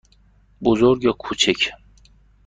بزرگ یا کوچک؟